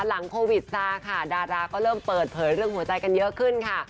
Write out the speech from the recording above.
หลังโควิดซาค่ะดาราก็เริ่มเปิดเผยเรื่องหัวใจกันเยอะขึ้นค่ะ